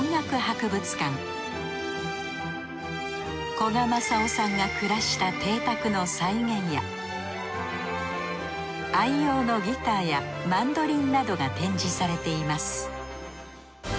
古賀政男さんが暮らした邸宅の再現や愛用のギターやマンドリンなどが展示されています